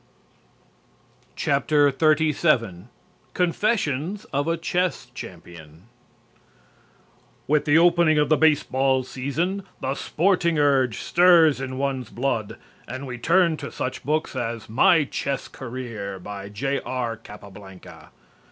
XXXVII CONFESSIONS OF A CHESS CHAMPION With the opening of the baseball season, the sporting urge stirs in one's blood and we turn to such books as "My Chess Career," by J.R. Capablanca.